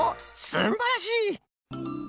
すんばらしい！